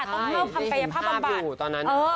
ใช่จะไปเห็นภาพอยู่ตอนนั้น